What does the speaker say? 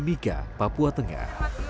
timika papua tengah